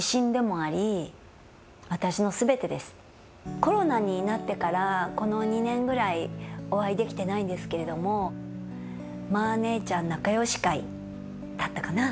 コロナになってからこの２年ぐらいお会いできてないんですけれどもマー姉ちゃん仲よし会だったかな。